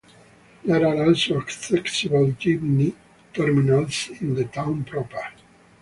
There are also accessible jeepney terminals in the Town Proper.